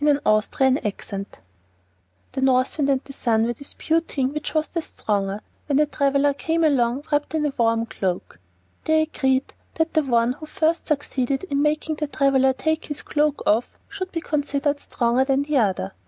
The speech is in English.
Orthographic version The North Wind and the Sun were disputing which was the stronger, when a traveler came along wrapped in a warm cloak. They agreed that the one who first succeeded in making the traveler take his cloak off should be considered stronger than the other.